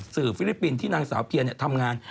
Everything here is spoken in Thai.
สื่อฟิลิปปินท์ที่นางสาวเพียร์นทำงาน